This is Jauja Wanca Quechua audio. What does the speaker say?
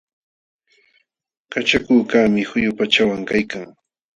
Kachakukaqmi quyu pachawan kaykan.